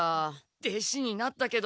弟子になったけど。